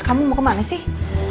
kamu mau kemana sih